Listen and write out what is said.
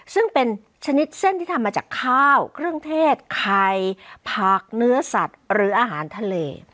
ซึ่งเป็นชนิดเส้นที่ทำมาจากข้าวเครื่องเทศไข่ผักเนื้อสัตว์หรืออาหารทะเล